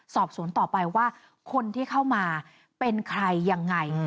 สอบสวนต่อไปว่าคนที่เข้ามาเป็นใครยังไง